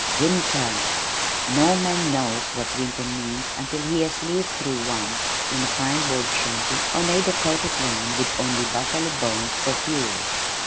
Winter! No man knows what winter means until he has lived through one in a pine board shanty on a Dakota plain with only buffalo bones for fuel.